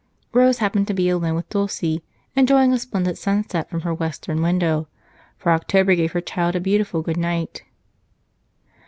Rose happened to be alone with Dulce, enjoying a splendid sunset from her western window, for October gave her child a beautiful good night.